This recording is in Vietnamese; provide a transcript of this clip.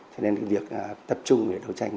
cho nên việc tập trung để đấu tranh